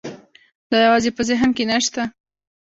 دا یوازې په ذهن کې نه شته.